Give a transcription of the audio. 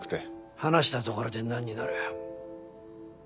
話したところでなんになる？